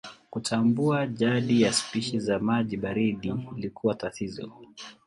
Kutambua jadi ya spishi za maji baridi ilikuwa tatizo.